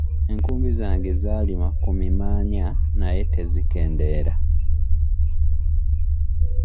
Enkumbi zange zaalima ku mimaanya naye tezikendeera.